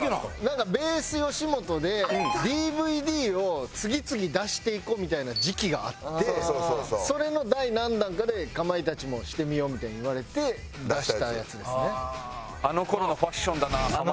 なんかｂａｓｅよしもとでＤＶＤを次々出していこうみたいな時期があってそれの第何弾かでかまいたちもしてみようみたいに言われて出したやつですね。